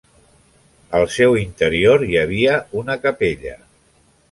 Al seu interior hi havia una capella.